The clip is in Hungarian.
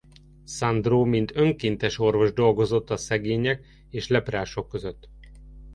Sandro mint önkéntes orvos dolgozott a szegények és leprások között.